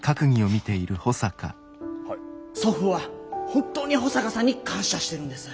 祖父は本当に保坂さんに感謝してるんです。